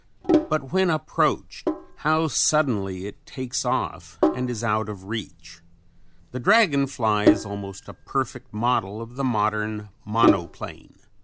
But when approached how suddenly it "takes off" and is out of reach. The dragon fly is an almost perfect model of the modern monoplane.